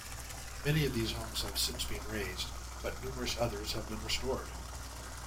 Many of these homes have since been razed, but numerous others have been restored.